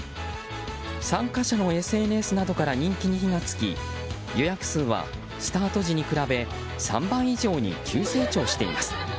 参加者のＳＮＳなどから人気に火が付き予約数はスタート時に比べ３倍以上に急成長しています。